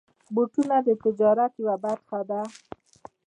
بوټونه د تجارت یوه برخه ده.